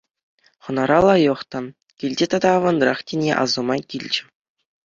Хӑнара лайӑх та, килте тата аванрах тени асӑма килчӗ.